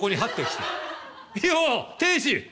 「よう亭主！